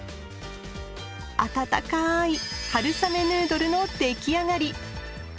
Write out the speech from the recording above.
温かい春雨ヌードルの出来上がり！